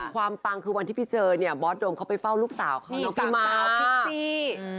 ปังคือวันที่พี่เจอเนี่ยบอสโดมเขาไปเฝ้าลูกสาวเขาน้องสาวพิกซี่